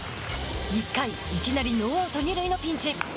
１回、いきなりノーアウト、二塁のピンチ。